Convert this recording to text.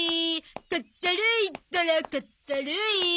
かったるいったらかったるい！